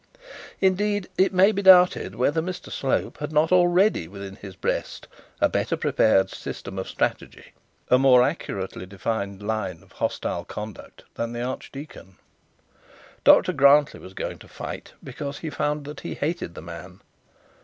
Indeed, it may be doubted whether Mr Slope had not already within his breast a better prepared system of strategy, a more accurately defined line of hostile conduct than the archdeacon. Dr Grantly was going to fight because he found that he hated the man.